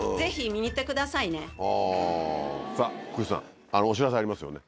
福士さんお知らせありますよね。